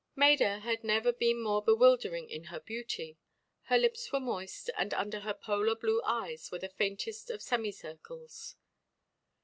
Maida had never been more bewildering in her beauty. Her lips were moist, and under her polar blue eyes were the faintest of semicircles.